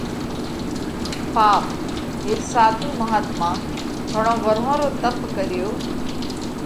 پاپ: هيڪ ساڌُو مهاتما گھڻون ورهون رو تپ ڪريو۔